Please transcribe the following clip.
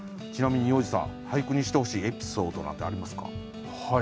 ちなみに要次さん俳句にしてほしいエピソードなんてありますか？